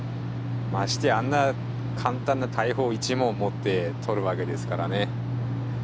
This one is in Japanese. ましてやあんな簡単な大砲一門持って獲るわけですからね。